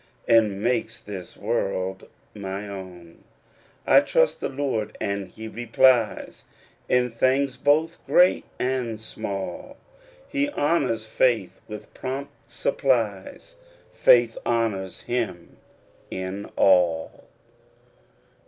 And makes this world my own. I trust the Lord, and he replies, In things both great and small; He honors faith with prompt supplies ; Faith honors Mm in all.